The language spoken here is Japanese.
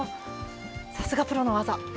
さすがプロの技！